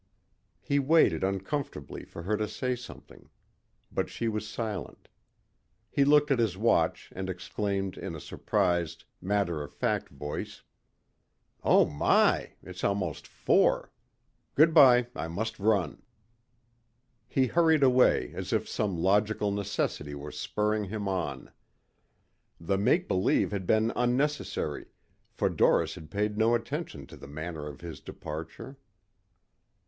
He waited uncomfortably for her to say something. But she was silent. He looked at his watch and exclaimed in a surprised, matter of fact voice, "Oh my! It's almost four. Good bye. I must run." He hurried away as if some logical necessity were spurring him on. The make believe had been unnecessary for Doris had paid no attention to the manner of his departure.